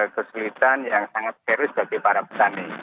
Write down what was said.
kesulitan yang sangat serius bagi para petani